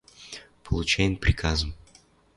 Получаен приказым.